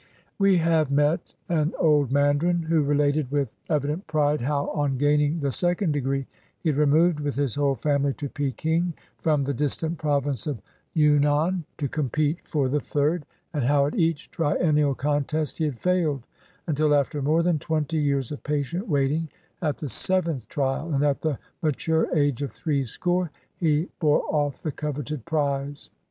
229 CHINA We have met an old mandarin who related with evi dent pride how, on gaining the second degree, he had removed with his whole family to Peking, from the distant Province of Yunnan, to compete for the third; and how at each triennial contest he had failed, until, after more than twenty years of patient waiting, at the seventh trial, and at the mature age of threescore, he bore off the coveted prize.